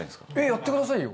やってくださいよ！